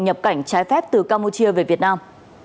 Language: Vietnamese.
nhập cảnh trái phép từ campuchia về việt nam